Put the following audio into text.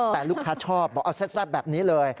แต่ลูกค้าชอบเอาแสดดแสดดแบบนี้เลย